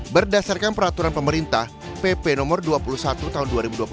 berdasarkan peraturan pemerintah pp no dua puluh satu tahun dua ribu dua puluh satu